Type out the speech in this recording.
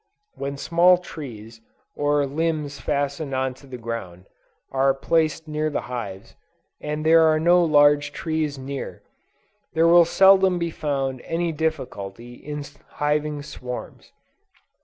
When small trees, or limbs fastened into the ground, are placed near the hives, and there are no large trees near, there will seldom be found any difficulty in hiving swarms.